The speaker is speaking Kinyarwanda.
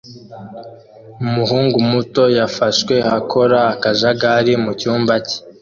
Umuhungu muto yafashwe akora akajagari mu cyumba cye